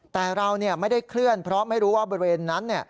แต่เราไม่ได้เคลื่อนเพราะไม่รู้ว่าบริเวณนั้น